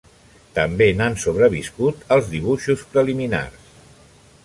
També n'han sobreviscut els dibuixos preliminars.